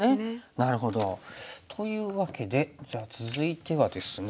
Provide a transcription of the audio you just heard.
なるほど。というわけでじゃあ続いてはですね